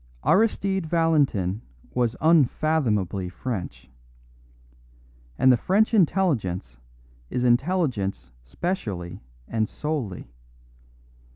Aristide Valentin was unfathomably French; and the French intelligence is intelligence specially and solely.